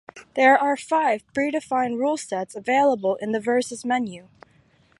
There are five predefined rule sets available in the versus menu.